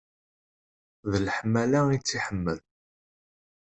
D leḥmala i tt-iḥemmel.